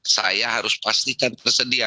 saya harus pastikan tersedia